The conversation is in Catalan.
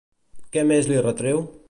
Què més li retreu?